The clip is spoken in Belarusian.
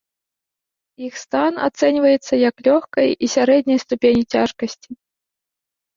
Іх стан ацэньваецца як лёгкай і сярэдняй ступені цяжкасці.